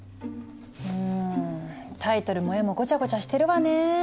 うんタイトルも画もごちゃごちゃしてるわね。